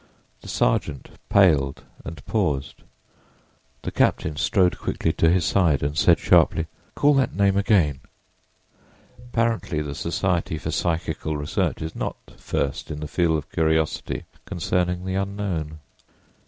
The sergeant paled and paused. The captain strode quickly to his side and said sharply: "Call that name again." Apparently the Society for Psychical Research is not first in the field of curiosity concerning the Unknown.